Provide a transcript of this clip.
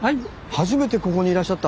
初めてここにいらっしゃった。